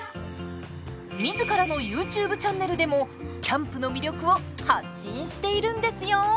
自らのＹｏｕＴｕｂｅチャンネルでもキャンプの魅力を発信しているんですよ。